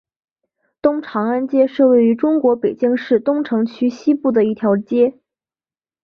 东长安街是位于中国北京市东城区西部的一条街。